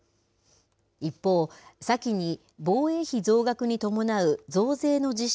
一方、先に防衛費増額に伴う増税の実施